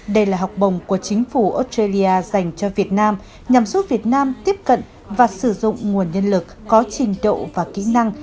đây là học bồng của chính phủ australia dành cho việt nam nhằm giúp việt nam tiếp cận và sử dụng nguồn nhân lực có trình độ và kỹ năng